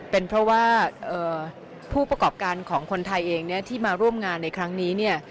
เป็นเพราะว่าผู้ประกอบการของคนไทยเองเนี่ยที่มาร่วมงานในครั้งนี้เนี่ย